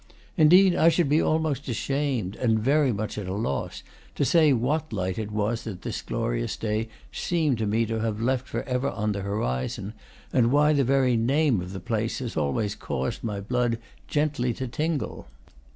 Indeed, I should be almost ashamed, and very much at a loss, to say what light it was that this glorious day seemed to me to have left forever on the horizon, and why the very name of the place had always caused my blood gently to tingle.